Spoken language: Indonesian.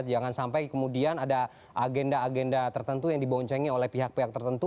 jangan sampai kemudian ada agenda agenda tertentu yang diboncengi oleh pihak pihak tertentu